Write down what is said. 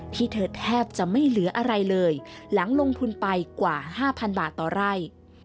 ที่เธอแทบจะไม่เหลืออะไรเลยหลังลงทุนไปกว่า๕๐๐บาทต่อไร่